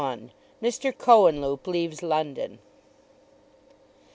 MR. COHENLUPE LEAVES LONDON.